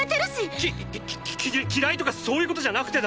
きき嫌いとかそういうことじゃなくてだな！